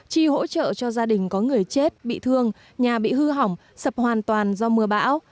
chi hỗ trợ cho gia đình có người chết bị thương nhà bị hư hỏng sập hoàn toàn do mưa bão